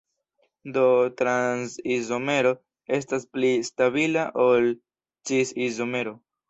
Do trans-izomero estas pli stabila ol cis-izomero.